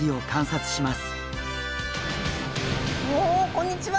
おおこんにちは。